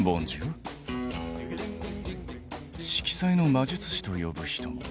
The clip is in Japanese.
色彩の魔術師と呼ぶ人も。